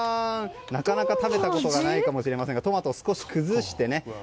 なかなか食べたことがないかもしれませんがトマト、少し崩してね。